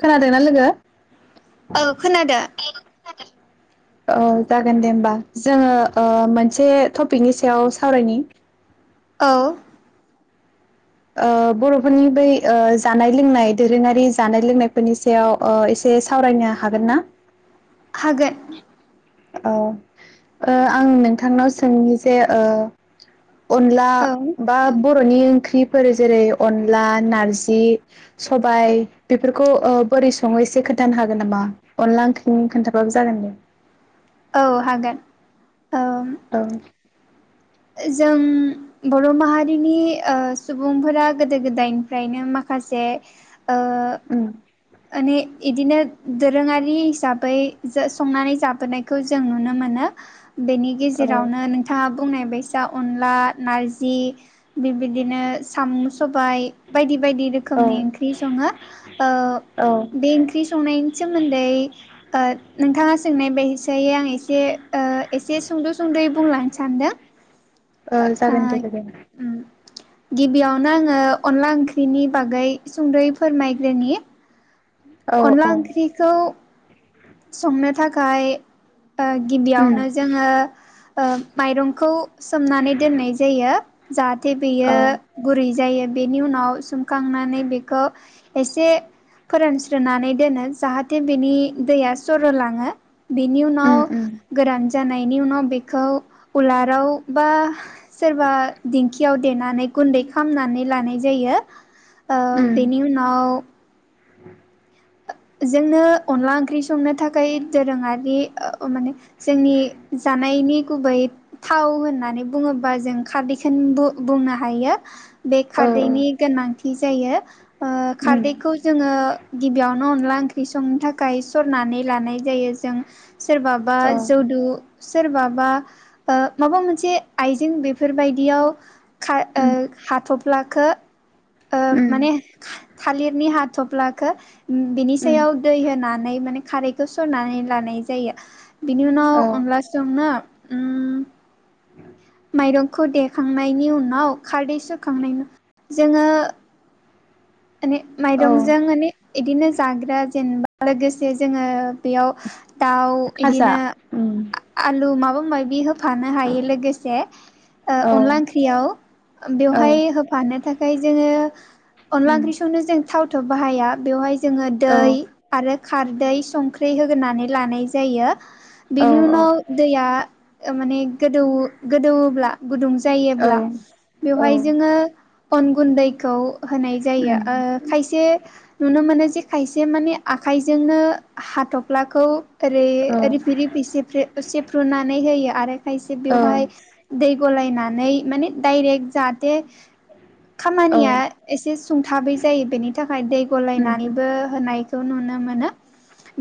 खोनादोंना लोगो औ खोनादों औ जागोन दे होमबा जोङो ओ मोनसे टपिकनि सायाव सावरायनि औ ओ बर'फोरनि बै ओ जानाय लोंनाय दोरोङारि जानाय लोंनाय बेनि सायाव ओ एसे सावरायनो हागोन ना? हागोन अ ओ आं नोंथांनाव सोंनि जे अनला औ बा बर'नि ख्रि फोर जेरै अनला नारजि सबाय बेफोरखौ ओ बोरै सङो एसे खोन्थानो हागोन नामा अनला ओंख्रिनि खोन्थाबाबो जागोन दे औ हागोन औ औ जों बर' माहारिनि ओ सुबुंफोरा गोदो गोदायनिफ्रायनो माखासे ओ ओम माने इदिनो दोरोङारि हिसाबै जो संनानै जाबोनायखौ जों नुनो मोनो बेनि औ गेजेरावनो नोंथाङा बुंनाय बायसा दा अनला नारजि थिग बिदिनो सामु स सबाय बायदि बायदि औ रोखोमनि ओंख्रि सङो ओ औ बे ओंख्रि संनायनि सोमोन्दै ओ नोंथाङा सोंनाय बायसा दायो आं एसे ओ एसे सुंद' सुंद'यै बुंलांनो सानदों ओ जागोन दे लोगो गिबियावनो आङो अनला ओंख्रिनि बागै सुंदै फोरमायग्रोनि औ औ अनला ओंख्रिखौ संनो थाखाय ओ गिबियावनो उम जोङो ओ माइरंखौ सोमनानै दोननाय जायो जा हाते औ बियो गुरै जायो बेनि उनाव सुमखांनानै बेखौ एसे फोरानस्रोनै दोनो जाहाथे बेनि दैया सर' लाङो बेनि उम उनाव उम गोरान जानायनि उनाव बेखौ उलाराव बा सोरबा दिंखियाव देनानै गुन्दै खामनानै लानाय जायो ओ उम बेनि उनाव जोंनो अनला ओंख्रि संनो थाखाय दोरोङारि माने जोंनि जानायनि गुबै थाव होननानै बुङोबा जों खारदैखौनो बु-बुंनो हायो। बे औ औ खारदैनि गोनांथि जायो ओ उम खारदैखौ जोङो बेयावनो अनला ओंख्रि संनो थाखाय सरनानै लानाय जायो जों सोरबाबा औ जौदु सोरबाबा ओ माबा मोनसे आइजें बेफोरबायदियाव खा ओ उम हाथ'फ्लाखौ ओ उम माने थालिरनि हाथफ्लाखो बिनि उम सायाव दै होना नै माने खारैखौ सरनानै लानाय जायो। बिनि उनाव औ अनलासो संना उम माइरंखौ देखांनायनि उनाव खारदै सोखांनायनि जोङो माने औ माइरंजों माने बिदिनो जाग्रा जेनेबा लोगोसे जोङो बेयाव दाउ खाजा बिदिनो उम आलु माबा मायबि होफानो हायो लोगोसे ओ औ अनला ओंख्रियाव औ बेवहाय होफानो थाख खाय जोङो अनला उम ओंख्रि संनो जों थावथ' बाहाया बेवहाय जोङो औ दै उम आरो खारदै संख्रै होग्रोनानै लानाय जायो औ उम औ उम औ बेनि उनाव दैया माने गोदौ गोदौवोब्ला गुदुं औ जायोब्ला बेवहाय औ जोङो अन गुन्दैखौ होनाय जायो ओ खायसे नुनो मोनो जे खायसे माने आखाइजोंनो हाथफ्लाखौ ओरै रिफि रिफि सेफ्रे-सेफ्रुनानै होयो आरो खायसे बेवहाय दै गलायनानै माने डायरेक्ट जाहाथे औ खामानिया एसे सुंथाबै जायो बेनि थाखाय दै उम उम गलायनानैबो होनायखौ नुनो मोनो।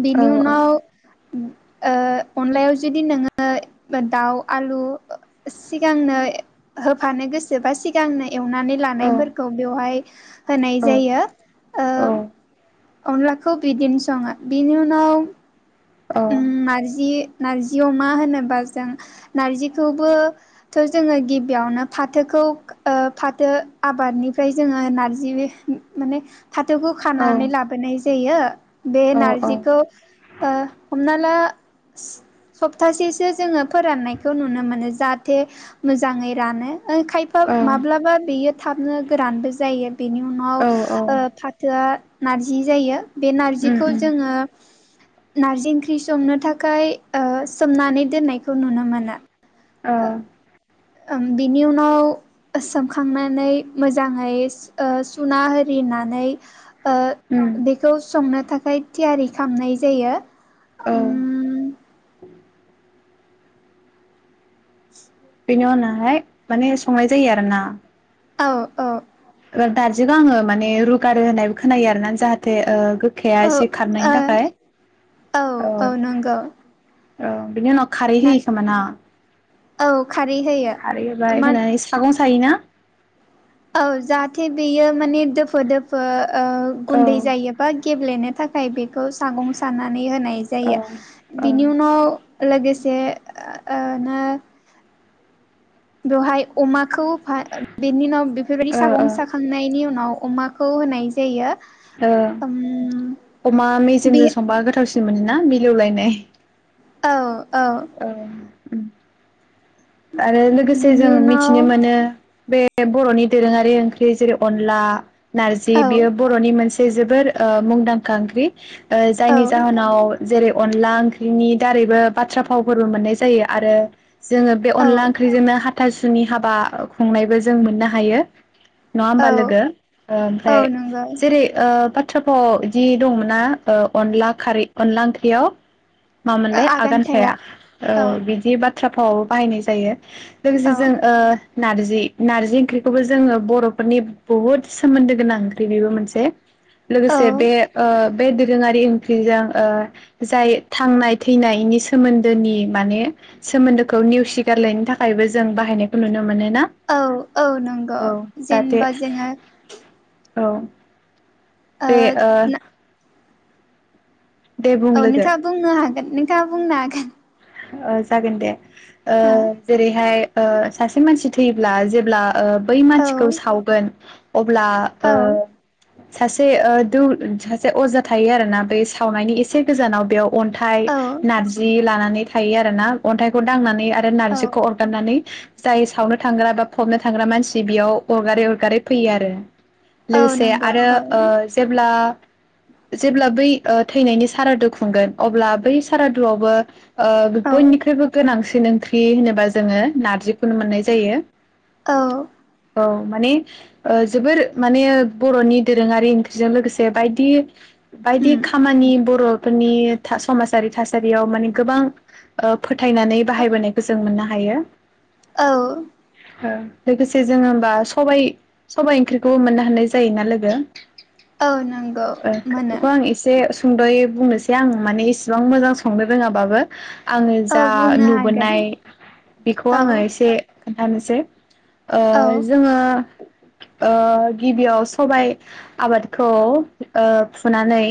बिनि उनाव ओ अनलायाव जुदि नोङो दाउ आलु सिगांनो होफानो गोसो बा सिगांनो एवनानै लानायफोरखौ बेवहाय होनाय जायो ओ अनलाखौ बिदिनो सङो बिनि उनाव उम नारजि नारजि अमा होनोबा जों नारजिखौबोथ जोङो गिबियावनो फाथोखौ ओ फाथो आबादनिफ्राय जोङो नार्जि माने फाथोखौ खानानै लाबोनाय जा होयो बे नारजिखौ ओ हमना ला सप्तासेसो जोङो फोराननायखौ नुनो मोनो जाहाथे मोजाङै रानो ओ खायफा माब्लाबा बेयो थाबनो गोरानबो जायो बेनि उनाव ओ फाथोआ नारजि जायो। बे नारजिखौ जोङो नारजि ओंख्रि इख्रि संनो थाखाय ओ सोमनानै दोननायखौ नुनो मोनो औ ‌। ओ ओम बिनि उनाव सोमखांनानै मोजाङै ओ सुना आरिनानै ओ उम बेखौ संनो थाखाय थियारि खालामनाय जायो औ उम बेनि उनावहाय माने संनाय जायो आरोना। औ औ। ओ नारजिखौ आङो माने रुगारो होननायबो खोनायो आरो ना जाहाथे ओ गोख खाया औ एसे खारनायनि ओ थाखाय। औ। औ नंगौ औ बिनि उनाव खारै नार होयो खोमोना? औ। खारै होयो खारै होबाय मान होनानै सागंसा सायो ना? औ जाहाथे बेयो माने दोफो दोफो ओ औ गुन्दै जायोबा गेब्लेनो थाखाय बेखौ सागं साना नै होनाय औ जायो बिनि ओ उनाव लोगोसे ओनो बेवहाय अमा खौ होफा बेनि उनाव बेफोरबायादि सागं ओ साखांनायनि उनाव अमाखौ होनाय जायो। ओ ओम अमा बे मेजेमजों संबा गोथावसिन मोन ना मिलौलायनाय। औ। औ। उम। आरो लोगोसे बिनि जों उनाव मिथिनो मोनो बे बे बरनि दोरोङारि ओंख्रि जेरै अनला‌ नारजि औ बियो बरनि मोनसे जोबोर ओ मुंदांखा ओंख्रि ओ औ जायनि जाहोनाव जेरै अनला ओंख्रिनि दारैबो बाथ्रा फावफोरबो मोननाय जायो आरो जोङो बे औ अनला ओंख्रिजोंनो हा थासुनि हाबा खुंनायबो जों मोननो हायो। नङा औ होमबा लोगो औ ओमफ्राय नंगौ जेरै ओ थ्राफाव जि दंमोन ना ओ अनला खारै अनला ओंख्रियाव मामोनलाय आगान थाया औ बिदिबा थ्राफाव बाहायनाय जायो। लोगोसे औ जों ओ नारजि नारजि ओंख्रिखौबो जोङो बर'फोरनि बहुद सोमोन्दो गोनां ओंख्रि बेबो मोनसे औ लोगोसे बे ओ बे दोरोङारि ओंख्रिजों ओ जाय थांनाय थैनायनि सोमोन्दोनि माने सोमोन्दो खौ नेवसिगारलायनो थाखायबो जों बाहायनायखौ नुनो मोनो ना औ औ नोंगौ औ जाहाथे जेनेबा जोङो औ बे ओ ना दे बुं औ लोगो नोंथाङा बुंनो हागो नोंथाङा बुंनो हागोन ओ जागोन दे ओ जेरैहाय ओ सासे मानसि थैब्ला जेब्ला ओ बै ओ मानसिखौ सावगोन अब्ला औ ओ सासे ओ दौ सासे अजा थायो आरोना बे सावनायनि एसे गोजानाव बेयाव अन्थाइ औ नारजि लानानै थायो आरो ना अन्थाइखौ दांनानै आरो औ नारजिखौ आगारनानै जाय सावनो थांग्रा बा फबनो थांग्रा मानसि बेयाव अरगारै अरगारै फैयो आरो औ लोगोसे नंगौ आरो औ ओ जेब्ला जेब्ला बै ओ थैनायनि सारादु खुंगोन अब्ला बै सारादुआवबो ओ औ बयनिख्रुइबो गोनांसिन ओं ओंख्रि होनोबा जोङो नारजिखौनो मोननाय जायो औ औ माने ओ जोबोर माने बर'नि दोरोङारि ओं बेजों लोगोसे बायदि बायदि उम खामानि बर'फोर नि थास समाजआरि था सारियाव माने गोबां ओ फोथायनानै औ बाहायबोनायखौ जों मोननो हायो। ओ लोगोसे जोङो होमबा सबाइ सबाइ ओंख्रिखौबो मोननो हानाय जायोना लोगो? औ नंगौ ओ खो मोनो बेखौ आं एसे सुंद'यै बुंनोसै आं माने इसिबां मोजां संनो रोङाबाबो। आङो औ जा बुंनो हागोन नुबोनाय बेखौ औ आङो एसे खोनथानोसै। ओ औ जोङो ओ गिबियाव सबाइ आबादखौ ओ फुनानै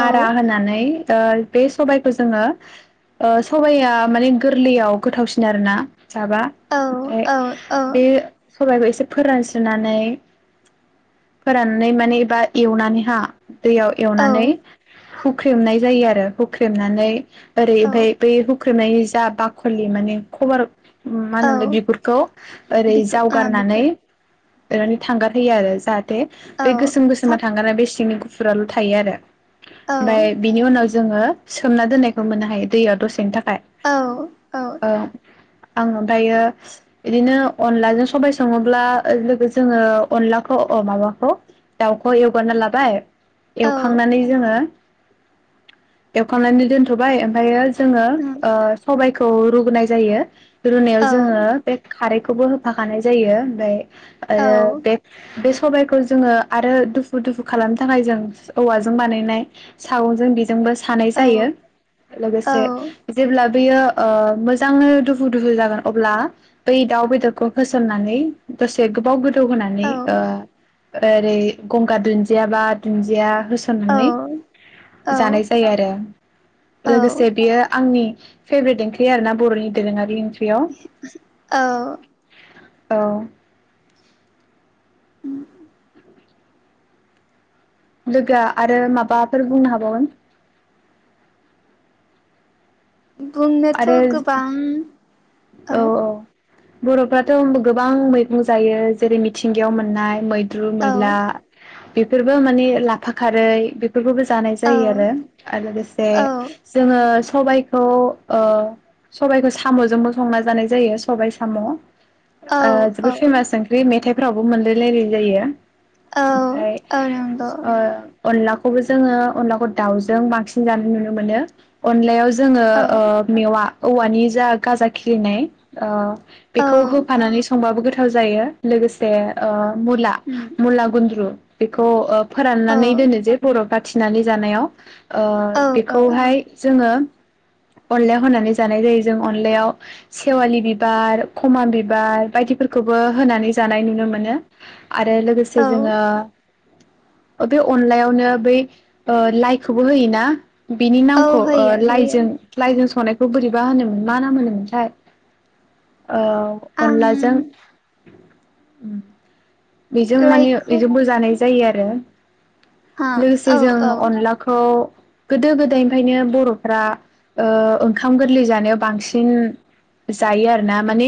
औ होनानै ओ बे सबाइखौ जोङो ओ सबाइया माने गोरलैयाव गोथावसिन आरोना जाबा। औ ओमफ्राय औ बे सबाइखौ एसे फोरानस्रोनानै फोराननानै माने एबा एवनानै हा दैयाव औ एवनानै हुख्रेमनाय जायो आरो हुख्रेमनानै आरै ओमफाय बै हु ख्रेमनाय जा बाख'लि माने ख'बार मा औ होनोमोनलाय बिगुरखौ ओरै बिखौ ओ बिखौ जावगारनानै ओरैनो थांगार हीयो आरो जाहा औ थे गोसोम गोसोमा साब थांग्रारा बे सिंनि गु फुराल' थायो आरो। औ ओमफाय बिनि उनाव जोङो सोमना दोननाय खौ मोननो हायो दैयाव दसेनि था खाय औ औ ओ आं ओमफ्रायो बिदिनो अनलाजों सबाइ सङोब्ला लोगो जोङो अनलाखौ माबाखौ दाउखौ एवगोरना लाबाय औ एवखांनानै जोङो एवखानानै दोनथ' थबाय ओमफायो जोङो औ ओ सबाइ खौ रुगुनाय जायो रुनायाव औ जोङो बे खारै खौबो होफाखानाय जायो ओमफ्राय आरो बे। बे सबायखौ जोंङो आरो दुफु दुफु खालामनो थाखाय जों औवाजों बानायनाय सागंजों बेजोंबो। सानाय जायो। लोगोसे जेब्ला। बेयो मोजांङै दुफु दुफु जागोन अब्ला बै दाउ बेदरखौ होसननानै दसे गोबाव। गोदौ होनानै। औ ओरै गंगार दुन्दिया बा दुन्दिया। होसननानै औ जानाय जायो आरो। औ लोगोसे बियो आं। आंनि फेभरेट ओंख्रि आरोना बरनि दोरोंङारि। औ। औ। लोगोआ आरो माबाफोर बुंनो हाबावगोन। बुंनोथ आरो गोबां। औ। बरफ्राथ गोबां मैगं जायो जेरै मिथिंगायाव मोननाय मैगं। मैद्रु औ मैला। बेफोरबो माने लाफा खारै। बेफोरखौबो जानाय औ जायो आरो आरो लोगोसे जोंङो। सबाइखौ सबाइखौ साम जोंबो। संना जानाय जायो सबाय साम। औ औ जोबोद फेमास ओंख्रि मेथाइ। फोरावबो मोनलायलायनाय जायो। औ ओमफ्राय औ नंगौ ओ। अनलाखौबो जोंङो अनलाखौ दाउजों बांसिन जानाय नुनो मोनो अनलायाव। जोंङो औ मेवा। औवानि जा गाजा। खिलिनाय। औ बेखौ होफानानै संबाबो गोथाव। गोथाव जायो लोगोसे। मुला उम मुला गुनद्रु बे खौ ओ औ फोराननानै दोनो जे बर' बाथ थिनानै जानायाव ओ औ औ बेखौहाय जोङो अनलायाव होनानै जानाय जायो जों अनलायाव सेवालि बिबार खमा बिबार बायदिफोरखौबो होनानै जानाय नुनो मोनो। आरो लोगोसे औ जोङो बे अनलायावनो बै ओ लाइखौबो होयोना? बिनि औ नामखौ ओ होयो होयो लाइजों लाइजों संनाय खौ बोरैबा होनोमोन मा नाम होनोमोन? थाय ओ आं अनलाजों उम बेजों माने लाइकखौ बेजोंबो जानाय जायो आरो हा लोगोसे औ जों औ अनलाखौ गोदो गोदायनिफ्रायनो बर'फ्रा ओ ओंखाम गोरलै जानायाव बांसिन जायो आरो ना माने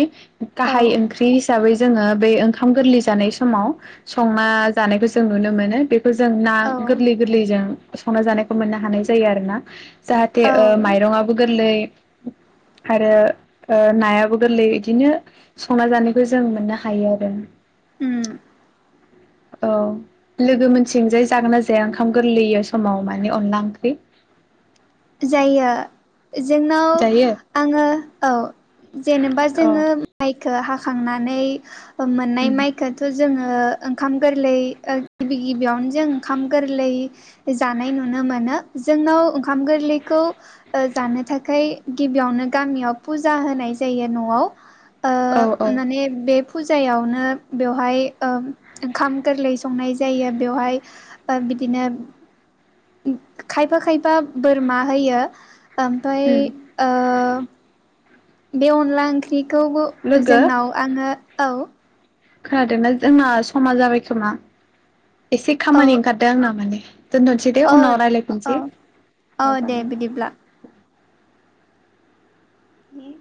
औ गाहाय ओंख्रि हिसाबै जोङो बे ओंखाम गोरलै जानाय समाव संना जानायखौ जों नुनो मोनो बे खौ जों ना औ गोरलै गोरलैजों संना जानायखौ मोननो हानाय जायो आरो ना। जाहाथे औ ओ माइरंआबो गोरलै आरो ओ नायाबो गोरलै बिदिनो संना जानायखौ जों मोननो हायो आरो। उम औ लोगो मोनथिंजाय जागोन ना जाया ओंखाम गोरलै समाव माने अनला ओंख्रि? जायो जोंनाव जायो आङो औ जेनेबा औ जोङो माइखो हाख खांनानै मोननाय उम माइखोथ' जोङो ओ-ओंखाम गोरलै ओ गिबि गिबियावनो जों ओंखाम गोरलै जानाय नुनो मोनो जोंनाव ओंखाम गोरलैखौ ओ जानो थाखाय गिबियावनो गामियाव फुजा होनाय जायो न'आव औ औ ओ माने बे फुजायावनो बेवहाय ओ ओंखाम गोरलै संनाय जायो बेवहाय ओ बिदिनो उम खायफा खायफ बा बोरमा होयो ओमफाय उम ओ बे अनला ओंख्रि खौबो लोगो जोंनाव आंङो औ खोनादोंना जोंना समा जाबाय खोमा? एसे औ खामानि ओंखारदों आंना माने। दोन्थ'नोसैदे औ उनाव रायलाय औ फिनसै औ ओ दे जागोन बिदिब्ला दे। हुम?